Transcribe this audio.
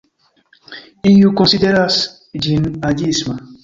Iuj konsideras ĝin aĝisma.